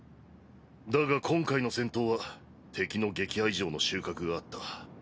だが今回の戦闘は敵の撃破以上の収穫があった。